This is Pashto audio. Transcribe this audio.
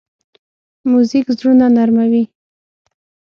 موزیک زړونه نرمه وي.